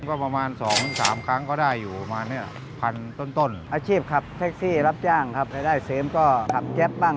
ก็ประมาณ๒๓ครั้งก็ได้อยู่ประมาณ๑๐๐๐บาทต้น